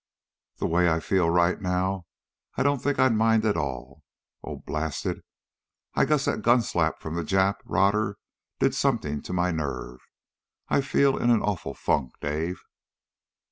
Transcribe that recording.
"The way I feel right now, I don't think I'd mind at all. Oh, blast it! I guess that gun slap from that Jap rotter did do something to my nerve. I feel in an awful funk, Dave."